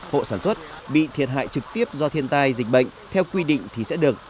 hộ sản xuất bị thiệt hại trực tiếp do thiên tai dịch bệnh theo quy định thì sẽ được